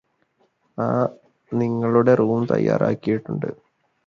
ആ നിങ്ങളുടെ റൂം തയ്യാറായിട്ടുണ്ട്